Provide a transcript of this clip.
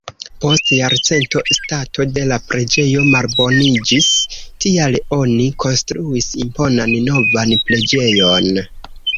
Post jarcento stato de la preĝejo malboniĝis, tial oni konstruis imponan novan preĝejon.